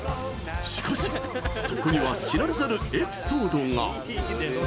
しかし、そこには知られざるエピソードが。